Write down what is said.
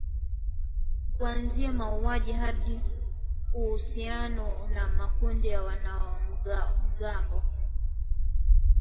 kuanzia mauaji hadi uhusiano na makundi ya wanamgambo